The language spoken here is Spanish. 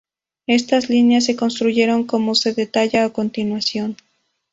Estas líneas se construyeron como se detalla a continuación.